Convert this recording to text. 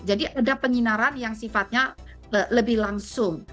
jadi ada penyinaran yang sifatnya lebih langsung